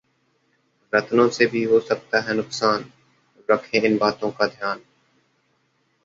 रत्नों से भी हो सकता है नुकसान, रखें इन बातों का ध्यान